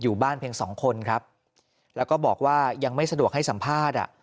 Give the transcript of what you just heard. อยู่บ้านเพียงสองคนครับแล้วก็บอกว่ายังไม่สะดวกให้สัมภาษณ์อ่ะ